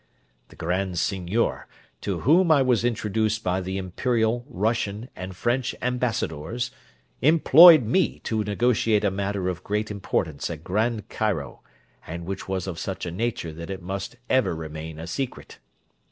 The Grand Seignior, to whom I was introduced by the Imperial, Russian, and French ambassadors, employed me to negotiate a matter of great importance at Grand Cairo, and which was of such a nature that it must ever remain a secret.